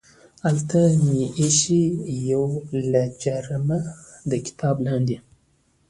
هلته مې ایښې یوه لجرمه د کتاب لاندې